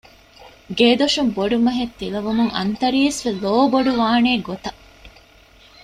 ގޭދޮށުން ބޮޑުމަހެއް ތިލަވުމުން އަންތަރީސްވެ ލޯބޮޑުވާނޭ ގޮތަށް